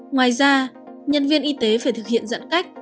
ngoài ra nhân viên y tế phải thực hiện giãn cách